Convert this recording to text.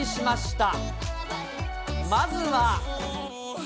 まずは。